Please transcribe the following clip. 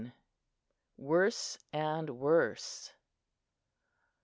WORSE AND WORSE.